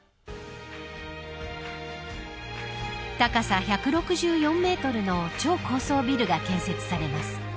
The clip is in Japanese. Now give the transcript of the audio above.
高さ１６４メートルの超高層ビルが建設されます。